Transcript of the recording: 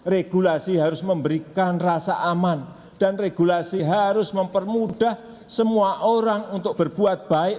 regulasi harus memberikan rasa aman dan regulasi harus mempermudah semua orang untuk berbuat baik